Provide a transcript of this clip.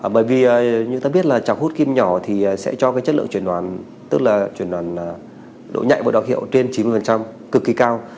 bởi vì như ta biết là chạp hút kim nhỏ thì sẽ cho cái chất lượng chuyển đoàn tức là chuyển đoàn độ nhạy và đặc hiệu trên chín mươi cực kỳ cao